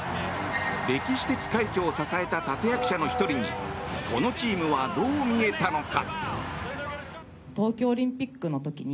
歴史的快挙を支えた立役者の１人にこのチームはどう見えたのか。